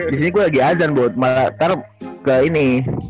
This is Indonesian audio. di sini gua lagi adzan buat malah karo ke ini